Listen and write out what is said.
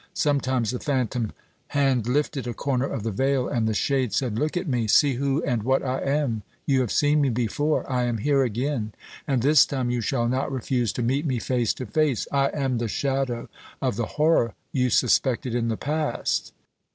Sometimes the phantom hand lifted a corner of the veil, and the shade said, "Look at me! See who and what I am! You have seen me before. I am here again! and this time you shall not refuse to meet me face to face! I am the shadow of the horror you suspected in the past!"